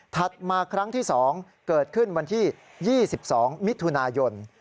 มาครั้งที่๒เกิดขึ้นวันที่๒๒มิถุนายน